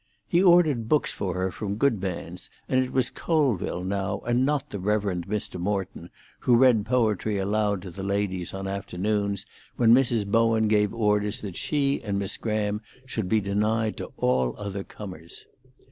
He ordered books for her from Goodban's, and it was Colville now, and not the Rev. Mr. Morton, who read poetry aloud to the ladies on afternoons when Mrs. Bowen gave orders that she and Miss Graham should be denied to all other comers.